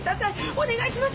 お願いします！